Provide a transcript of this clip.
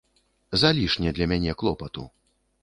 Залішне для мяне клопату.